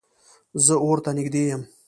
زه اور ته نږدې یم